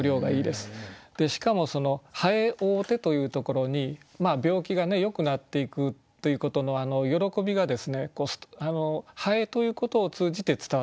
しかも「蠅追うて」というところに病気がよくなっていくということの喜びがですね蠅ということを通じて伝わってきますね。